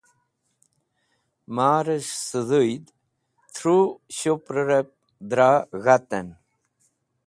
Marẽs̃h sẽdhũyd tru shuprẽrẽb dra g̃hatẽn.